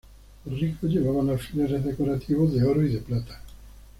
Los ricos llevaban alfileres decorativos de oro y de plata.